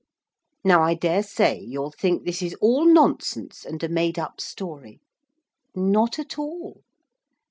Now I dare say you'll think this is all nonsense, and a made up story. Not at all.